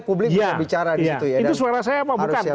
publik bisa bicara disitu ya itu suara saya apa bukan